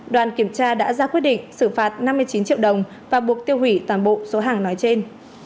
đoàn kiểm tra đã ra quyết định xử phạt năm mươi chín triệu đồng và buộc tiêu hủy toàn bộ số hàng nói trên